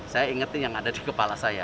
saya ingetin yang ada di kepala saya